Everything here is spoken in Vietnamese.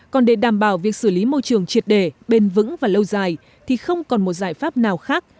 còn để đảm bảo việc xử lý môi trường triệt đề bền vững và lâu dài thì không còn một giải pháp nào khác